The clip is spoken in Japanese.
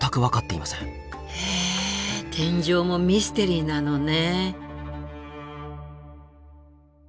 へえ天井もミステリーなのね。